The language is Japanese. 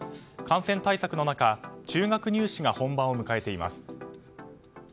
感染対策の中中学入試が本番を迎えています。